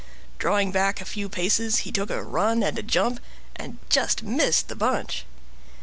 Drawing back a few paces, he took a run and a jump, and just missed the bunch.